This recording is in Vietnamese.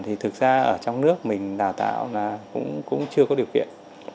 thì thực ra ở trong nước mình đào tạo là cũng chưa có điều kiện